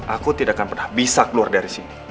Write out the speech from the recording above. aku tidak akan pernah bisa keluar dari sini